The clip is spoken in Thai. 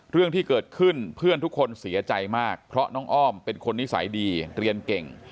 เรื่องที่เกิดขึ้นเพื่อนทุกคนเสียใจมากเพราะน้องอ้อมเป็นคนนิสัยดีเรียนเก่ง